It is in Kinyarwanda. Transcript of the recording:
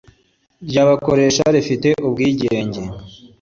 ry abakoresha rifite ubwigenge